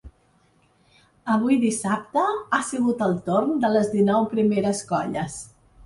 Avui dissabte ha sigut el torn de les dinou primeres colles.